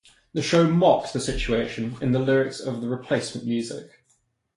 The show mocked the situation in the lyrics of the replacement music.